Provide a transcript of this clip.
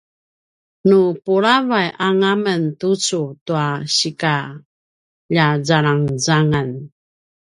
napulavay anga men tucu tua sikalja zalangzangan